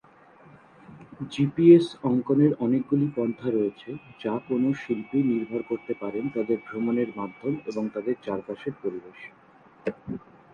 GPS অঙ্কনের অনেকগুলি পন্থা রয়েছে যা কোনও শিল্পী নির্ভর করতে পারেন তাদের ভ্রমণের মাধ্যম এবং তাদের চারপাশের পরিবেশ।